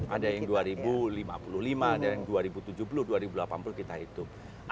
ada yang dua ribu lima puluh lima ada yang dua ribu tujuh puluh dua ribu delapan puluh kita hitung